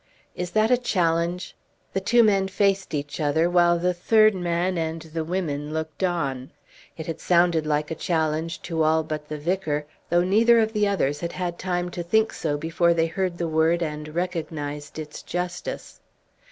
"Is that a challenge?" The two men faced each other, while the third man and the women looked on. It had sounded like a challenge to all but the vicar, though neither of the others had had time to think so before they heard the word and recognized its justice.